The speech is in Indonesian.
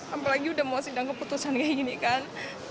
apalagi udah mau sidang keputusan kayak gini kan